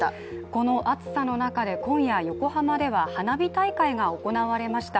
この暑さの中で今夜、横浜では花火大会が行われました。